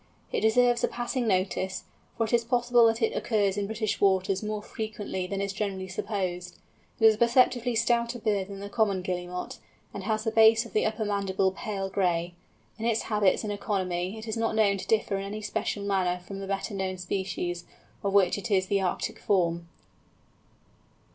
It deserves a passing notice, for it is possible that it occurs in British waters more frequently than is generally supposed. It is a perceptibly stouter bird than the Common Guillemot, and has the base of the upper mandible pale gray. In its habits and economy it is not known to differ in any special manner from the better known species, of which it is the Arctic form.